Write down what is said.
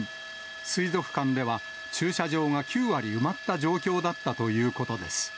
水族館では、駐車場が９割埋まった状況だったということです。